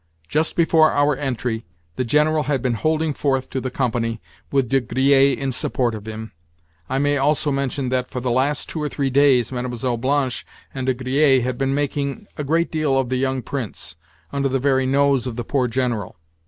Just before our entry, the General had been holding forth to the company, with De Griers in support of him. I may also mention that, for the last two or three days, Mlle. Blanche and De Griers had been making a great deal of the young Prince, under the very nose of the poor General.